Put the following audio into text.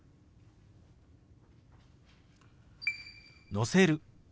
「載せる」。